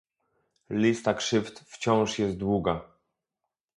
Lista krzywd wciąż jest długa